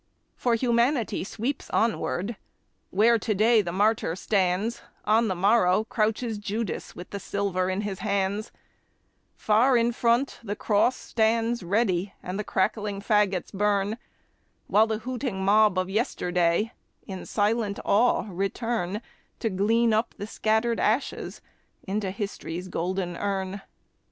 For Humanity sweeps onward: where to day the martyr stands, On the morrow crouches Judas with the silver in his hands; Far in front the cross stands ready and the crackling fagots burn, While the hooting mob of yesterday in silent awe return To glean up the scattered ashes into History's golden urn.